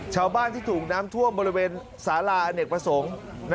ชาวบ้านที่ถูกน้ำท่วมบริเวณสาราอเนกประสงค์